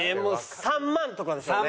３万とかでしょうね。